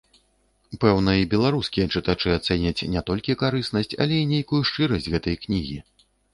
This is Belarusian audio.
Пэўна, і беларускія чытачы ацэняць не толькі карыснасць, але і нейкую шчырасць гэтай кнігі.